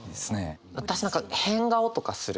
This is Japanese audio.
私何か変顔とかする。